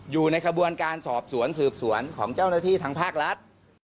อยู่ในขบวนการสอบสวนสืบสวนของเจ้าหน้าที่ทางภาครัฐ